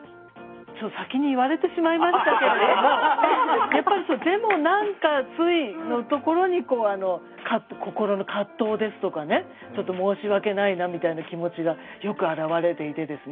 ちょっと先に言われてしまいましたけれどもやっぱり「でもなんかつい」のところに心の葛藤ですとかねちょっと申し訳ないなみたいな気持ちがよく表れていてですね